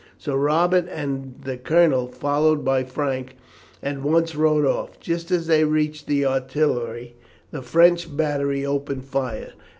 Sir Robert and the colonel, followed by Frank, at once rode off. Just as they reached the artillery, the French battery opened fire.